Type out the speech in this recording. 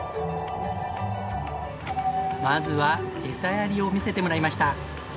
まずはエサやりを見せてもらいました。